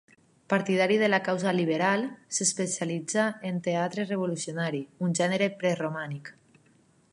Partidari de la causa liberal, s'especialitza en teatre revolucionari, un gènere preromàntic.